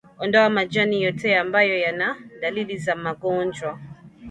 Ondoa majani yote ambayo yana dalili za magonjwa,